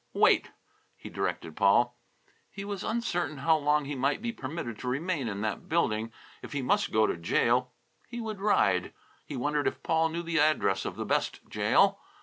"Wait!" he directed Paul. He was uncertain how long he might be permitted to remain in that building. If he must go to jail, he would ride. He wondered if Paul knew the address of the best jail.